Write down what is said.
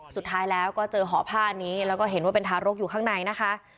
สุดท้ายแล้วก็เจอห่อผ้านี้แล้วก็เห็นว่าเป็นทารกอยู่ข้างในนะคะ